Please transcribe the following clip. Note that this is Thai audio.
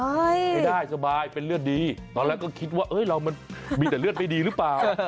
ไม่ได้สบายเป็นเลือดดีตอนแรกก็คิดว่าเรามันมีแต่เลือดไม่ดีหรือเปล่า